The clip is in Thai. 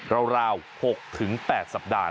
ราว๖๘สัปดาห